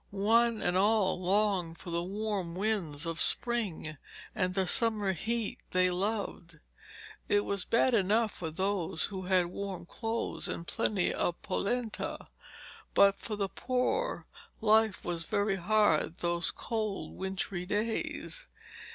One and all longed for the warm winds of spring and the summer heat they loved. It was bad enough for those who had warm clothes and plenty of polenta, but for the poor life was very hard those cold wintry days.